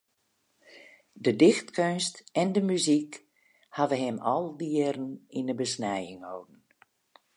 De dichtkeunst en de muzyk hawwe him al dy jierren yn de besnijing holden.